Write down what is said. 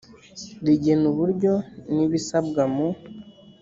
rigena uburyo n ibisabwa mu